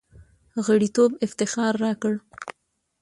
غړیتوب افتخار راکړ.